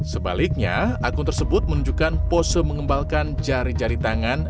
sebaliknya akun tersebut menunjukkan pose mengembalkan jari jari tangan